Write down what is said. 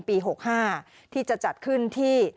ปี๖๕ที่จะจัดขึ้นที่